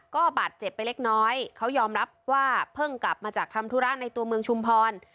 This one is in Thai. ก็บาดเจ็บไปเล็กน้อยเขายอมรับว่าเพิ่งกลับมาจากทำธุระในตัวเมืองชุมพร